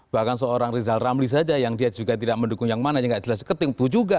bahkan seorang rizal ramli saja yang dia juga tidak mendukung yang mana yang tidak jelas ketimbu juga